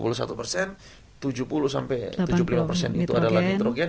tujuh puluh tujuh puluh lima itu adalah nitrogen